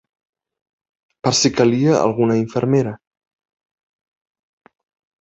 ...per si calia alguna infermera